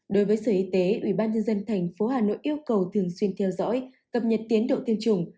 đối với sở y tế ubnd tp hà nội yêu cầu thường xuyên theo dõi cập nhật tiến độ tiêm chủng